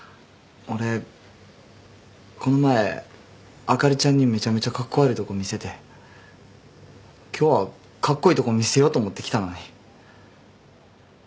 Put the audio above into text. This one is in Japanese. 俺この前あかりちゃんにめちゃめちゃカッコ悪いとこ見せて今日はカッコイイとこ見せようと思って来たのに。